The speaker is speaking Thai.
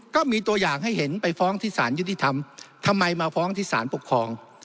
ก็มีตัวอย่างให้เห็นไปฟ้องที่สารยุติธรรมทำไมมาฟ้องที่สารปกครอง